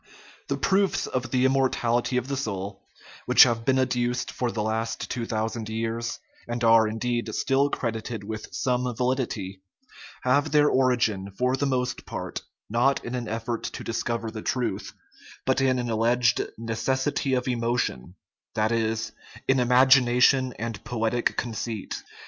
The proofs of the immortality of the soul, which have been adduced for the last two thousand years, and are, indeed, still credited with some validity, have their or igin, for the most part, not in an effort to discover the truth, but in an alleged "necessity of emotion " that is, in imagination and poetic conceit.